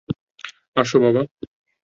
আসো, বাবা।